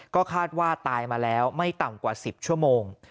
ก็คาดว่าตายมาแล้วไม่ต่ำกว่า๑๐ชั่วโมง